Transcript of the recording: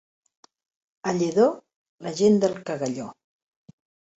A Lledó, la gent del cagalló.